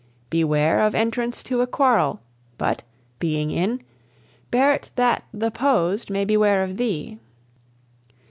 Beware Of entrance to a quarrel; but, being in, Bear 't that th' opposed may beware of thee.